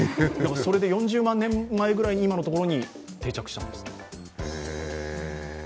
それで４０万年前ぐらいに今のところに定着したそうですよ。